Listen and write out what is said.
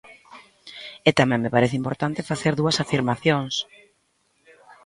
E tamén me parece importante facer dúas afirmacións.